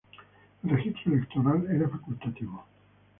El registro electoral era facultativo.